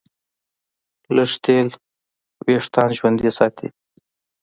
لږ تېل وېښتيان ژوندي ساتي.